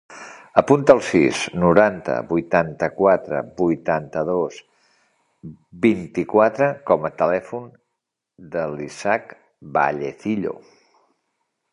Apunta el sis, noranta, vuitanta-quatre, vuitanta-dos, vint-i-quatre com a telèfon de l'Ishaq Vallecillo.